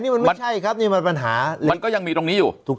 นี่มันไม่ใช่ครับนี่มันปัญหามันก็ยังมีตรงนี้อยู่ถูก